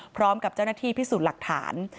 พร้อมกับเจ้าหน้าที่พิสูจน์หลักฐาน